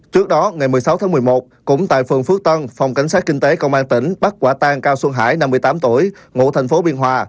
trước đó ngày một mươi sáu tháng một mươi một cũng tại phường phước tân phòng cảnh sát kinh tế công an tỉnh bắt quả tang cao xuân hải năm mươi tám tuổi ngụ thành phố biên hòa